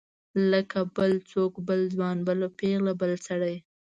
لکه بل څوک بل ځوان بله پیغله بل سړی.